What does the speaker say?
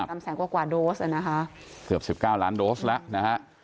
โปรดติดตามตอนต่อไป